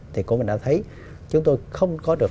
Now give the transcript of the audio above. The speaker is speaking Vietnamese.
thì cô mình đã thấy chúng tôi không có được